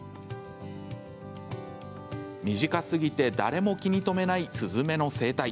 身近すぎて誰も気に留めないスズメの生態。